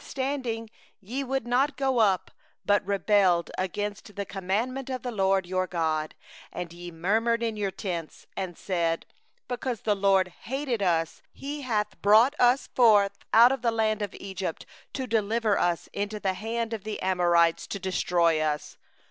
26Yet ye would not go up, but rebelled against the commandment of the LORD your God; 27and ye murmured in your tents, and said: 'Because the LORD hated us, He hath brought us forth out of the land of Egypt, to deliver us into the hand of the Amorites, to destroy us.